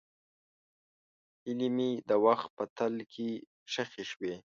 هیلې مې د وخت په تل کې ښخې شوې.